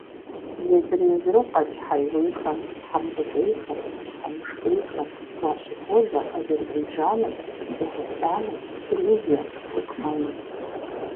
Езыр–езыру къэкӀ хьэиуейхэм, хьэмкӀутӀейхэм, къущхьэмышхейхэм уащыхуозэ Азербайджаным, Дагъыстаным, Грузием, Тыркумэным.